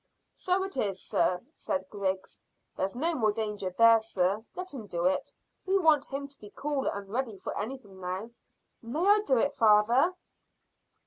"So it is, sir," said Griggs. "There's no more danger there, sir. Let him do it. We want him to be cool and ready for anything now." "May I do it, father?"